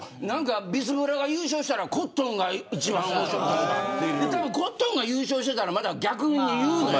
ビスブラが優勝したらコットンが一番面白かったって多分、コットンが優勝したらまた逆に言うのよ。